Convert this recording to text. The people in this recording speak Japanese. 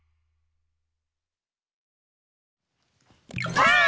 ばあっ！